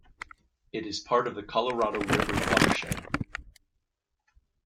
It is part of the Colorado River watershed.